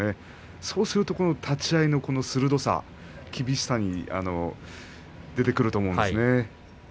そうすると立ち合いの鋭さ厳しさに出てくると思います。